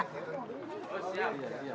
oh siap ya